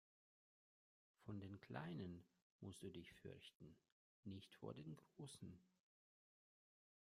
Vor den kleinen musst du dich fürchten, nicht vor den großen!